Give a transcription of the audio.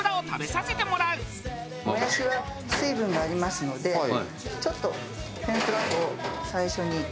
もやしは水分がありますのでちょっと天ぷら粉を最初に。